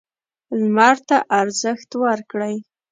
لمر ته ارزښت ورکړئ.